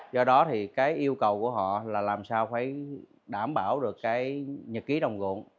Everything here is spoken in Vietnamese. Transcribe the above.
do đó thì cái yêu cầu của họ là làm sao phải đảm bảo được cái nhật ký đồng nguồn